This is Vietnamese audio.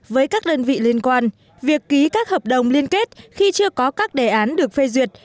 với các đơn vị liên quan việc ký các hợp đồng liên kết khi chưa có các đề án được phê duyệt